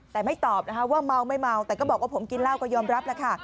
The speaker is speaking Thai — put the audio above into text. แต่ไม่ตอบนะคะว่าเมาไม่เมาแต่ก็บอกว่าผมกินเหล้าก็ยอมรับแล้วค่ะ